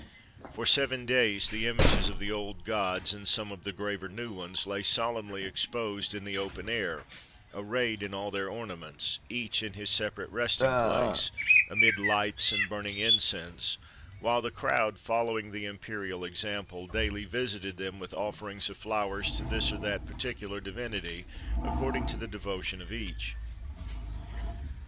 For seven days the images of the old gods, and some of the graver new ones, lay solemnly exposed in the open air, arrayed in all their ornaments, each in his separate resting place, amid lights and burning incense, while the crowd, following the imperial example, daily visited them, with offerings of flowers to this or that particular divinity, according to the devotion of each.